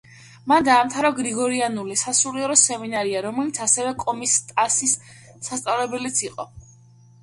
მან დაამთავრა გრიგორიანული, სასულიერო სემინარია, რომელიც ასევე კომიტასის სასწავლებელიც იყო.